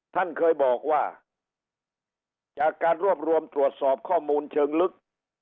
ท่านเคยบอกว่าจากการรวบรวมตรวจสอบข้อมูลเชิงลึก